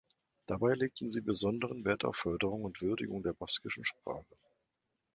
Dabei legten sie besonderen Wert auf Förderung und Würdigung der baskischen Sprache.